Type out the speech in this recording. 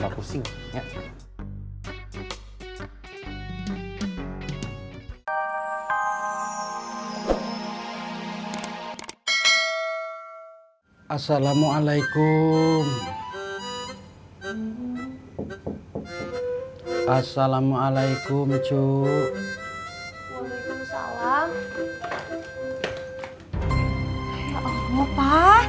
pak patik kenapa